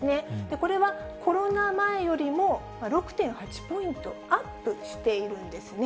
これは、コロナ前よりも６．８ポイントアップしているんですね。